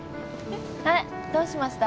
あれどうしました？